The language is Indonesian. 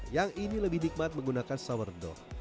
yang ini lebih nikmat menggunakan sourdog